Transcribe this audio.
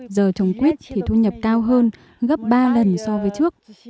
giờ trồng quýt thì thu nhập cao hơn gấp ba lần so với trước